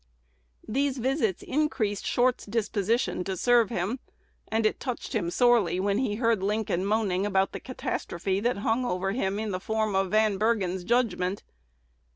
These visits increased Short's disposition to serve him; and it touched him sorely when he heard Lincoln moaning about the catastrophe that hung over him in the form of Van Bergen's judgment.